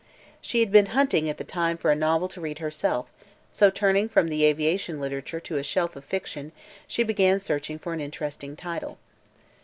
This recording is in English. She had been hunting, at the time, for a novel to read herself, so turning from the aviation literature to a shelf of fiction she began searching for an interesting title.